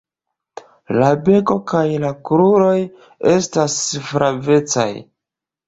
La beko kaj la kruroj esta flavecaj.